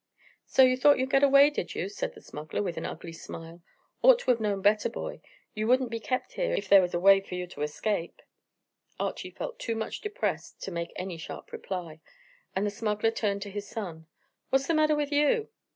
"So you thought you'd get away, did you?" said the smuggler, with an ugly smile. "Ought to have known better, boy. You wouldn't be kept here, if there was a way for you to escape." Archy felt too much depressed to make any sharp reply, and the smuggler turned to his son. "What's the matter with you?"